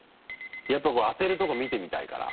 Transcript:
やっぱこう当てるとこ見てみたいから。